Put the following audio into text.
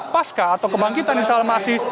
pasca atau kebangkitan di salmasi